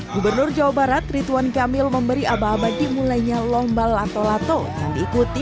gubernur jawa barat ritwan kamil memberi abah bagi mulainya lomba lato lato yang diikuti